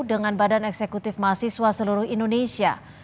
dengan badan eksekutif mahasiswa seluruh indonesia